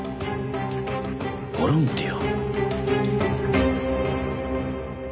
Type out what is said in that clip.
「ボランティア」。